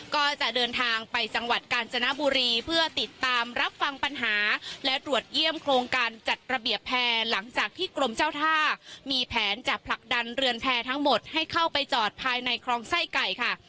ก็จะเดินทางไปจังหวัดกาญจนบุรีเพื่อติดตามรับฟังปัญหาและตรวจเยี่ยมโครงการจัดระเบียบแพร่หลังจากที่กรมเจ้าท่ามีแผนจะผลักดันเรือนแพร่ทั้งหมดให้เข้าไปจอดภายในคลองไส้ไก่ค่ะ